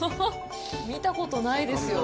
見たことないですよ。